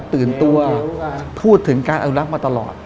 ถึงการอนุรักษ์มาตลอด